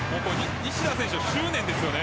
西田選手の執念ですよね。